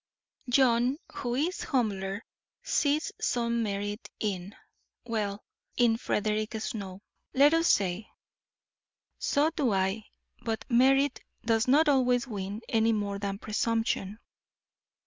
John, who is humbler, sees some merit in well, in Frederick Snow, let us say. So do I, but merit does not always win, any more than presumption.